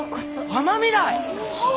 尼御台！